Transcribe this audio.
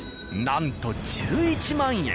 なんと１１万円！